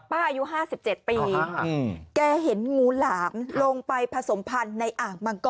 ป้าอายุห้าสิบเจ็ดปีอ๋อฮะอืมแกเห็นงูหลามลงไปผสมพันธ์ในอ่างมังกร